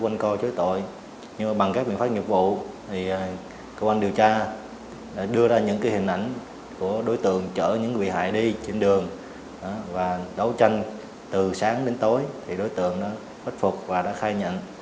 nhưng mà bằng các biện pháp nhiệm vụ thì công an điều tra đã đưa ra những hình ảnh của đối tượng chở những vị hại đi trên đường và đấu tranh từ sáng đến tối thì đối tượng đã phát phục và đã khai nhận